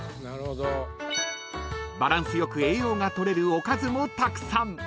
［バランス良く栄養が取れるおかずもたくさん］